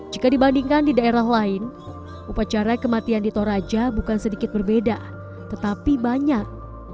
jika dibandingkan di daerah lain upacara kematian di toraja bukan sedikit berbeda tetapi banyak